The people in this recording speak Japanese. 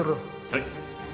はい。